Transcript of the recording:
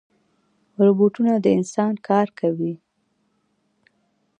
روبوټونه د انسان کار کوي